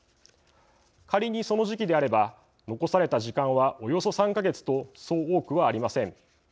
仮にその時期であれば残された時間はおよそ３か月とそう多くはありません。